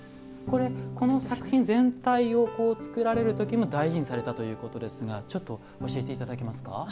この作品全体を作られるときも大事にされたということですがちょっと教えていただけますか。